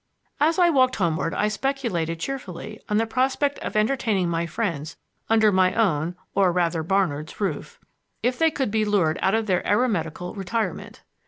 As I walked homeward I speculated cheerfully on the prospect of entertaining my friends under my own (or rather Barnard's) roof, if they could be lured out of their eremitical retirement.